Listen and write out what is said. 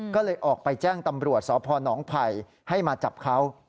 ก็เลยออกไปแจ้งตำรวจสพนไผ่ให้มาจับเขา